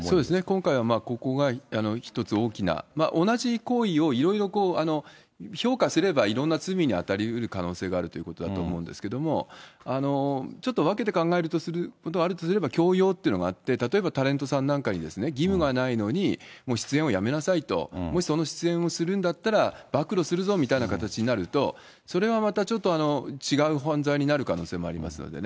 今回はここが一つ、大きな、同じ行為をいろいろこう、評価すればいろんな罪に当たりうる可能性があるということだと思うんですけれども、ちょっと分けて考えることがあるとすれば、強要っていうのがあって、例えばタレントさんなんかに義務はないのに出演をやめなさいと、もしその出演をするんだったら、暴露するぞみたいな形になると、それはまたちょっと、違う犯罪になる可能性もありますのでね。